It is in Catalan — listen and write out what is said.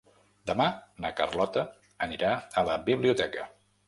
Demà na Carlota anirà a la biblioteca.